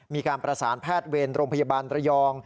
มีการประสานแพทย์เวรโรงพยาบาลระยอง